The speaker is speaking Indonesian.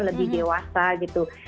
lebih dewasa gitu